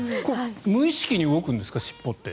無意識に動くんですか尻尾って。